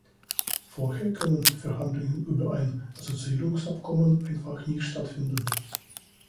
Vorher können Verhandlungen über ein Assoziierungsabkommen einfach nicht stattfinden.